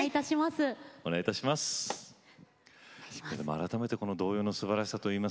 改めて童謡のすばらしさ